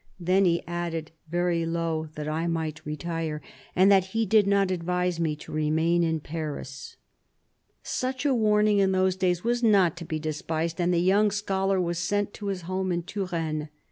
Then he added very THE BISHOP OF LUgON 93 low that I might retire, and that he did not advise me to remain in Paris." Such a warning, in those days, was not to be despised, and the young scholar was sent to his home in Touraine.